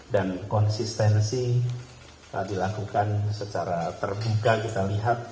dan konsistensi telah dilakukan secara terbuka kita lihat